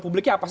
itu kan jelas